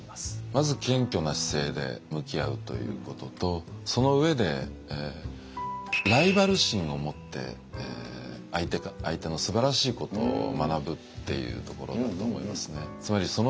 まず謙虚な姿勢で向き合うということとその上でライバル心をもって相手のすばらしいことを学ぶっていうところだと思いますね。